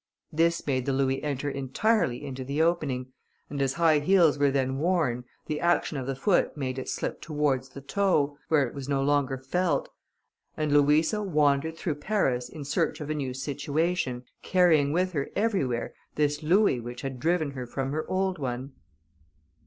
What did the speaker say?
This made the louis enter entirely into the opening, and as high heels were then worn, the action of the foot made it slip towards the toe, where it was no longer felt, and Louisa wandered through Paris in search of a new situation, carrying with her everywhere this louis which had driven her from her old one.